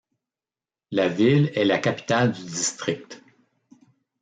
La ville est la capitale du district.